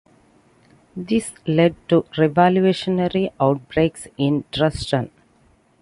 This led to revolutionary outbreaks in Dresden.